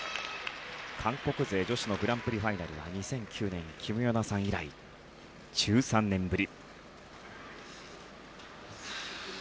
韓国勢女子のグランプリファイナルは２００９年のキム・ヨナさん以来１３年ぶり。